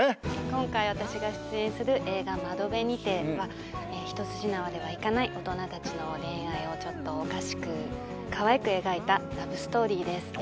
今回私が出演する映画「窓辺にて」は一筋縄ではいかない大人達の恋愛をちょっとおかしくかわいく描いたラブストーリーです